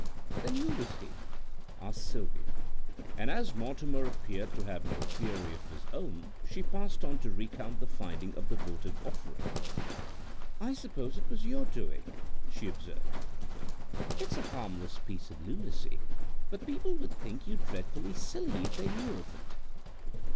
"Then who was he?" asked Sylvia, and as Mortimer appeared to have no theory of his own, she passed on to recount her finding of the votive offering. "I suppose it was your doing," she observed; "it's a harmless piece of lunacy, but people would think you dreadfully silly if they knew of it."